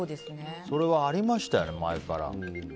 それはありましたよね、前から。